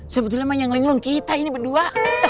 sebetulnya emang yang ngelenglung kita ini berdua